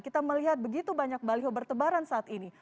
kita melihat begitu banyak baliho bertebaran saat ini